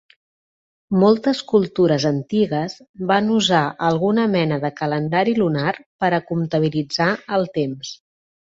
Moltes cultures antigues van usar alguna mena de calendari lunar per a comptabilitzar el temps.